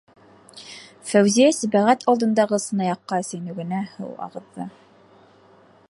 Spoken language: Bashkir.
- Фәүзиә Сибәғәт алдындағы сынаяҡҡа сәйнүгенән һыу ағыҙҙы: